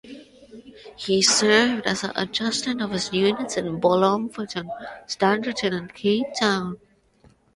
He served as adjutant of units in Bloemfontein, Standerton and Cape Town.